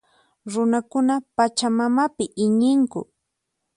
Runakunan Pachamamapi iñinku.